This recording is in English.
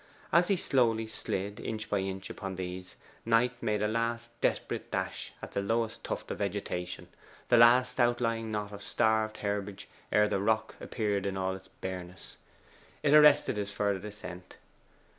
As he slowly slid inch by inch upon these, Knight made a last desperate dash at the lowest tuft of vegetation the last outlying knot of starved herbage ere the rock appeared in all its bareness. It arrested his further descent.